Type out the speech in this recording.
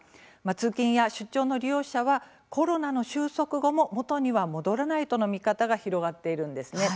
通勤や出張の利用者はコロナの収束後も元には戻らないとの見方が広がっているんです。